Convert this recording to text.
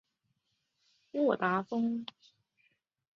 沃达丰